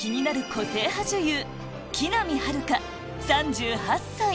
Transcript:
個性派女優